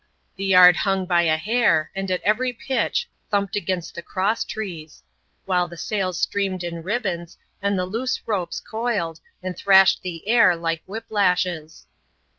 The yard hung by a hair, and at every pitch, thumped against the cross trees ; while the sails streamed in ribbons, and the loose ropes coiled, and thrashed the air, like whip lashes.